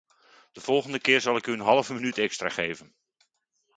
De volgende keer zal ik u een halve minuut extra geven!